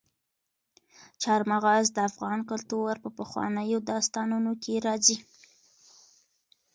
چار مغز د افغان کلتور په پخوانیو داستانونو کې راځي.